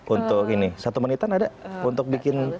untuk ini satu menitan ada untuk bikin